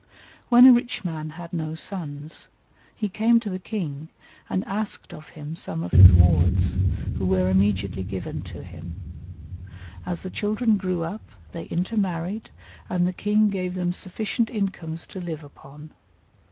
When a rich man had no sons, he came to the king and asked of him some of his wards, who were immediately given to him. As the children grew up they intermarried, and the king gave them sufficient incomes to live upon.